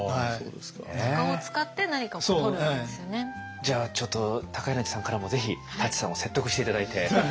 じゃあちょっと高柳さんからもぜひ舘さんを説得して頂いて。